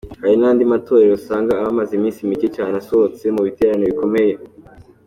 Hari n'andi matorero usanga aba amaze iminsi micye cyane asohotse mu biterane bikomeye.